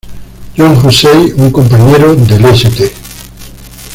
Joan Hussey, un compañero del St.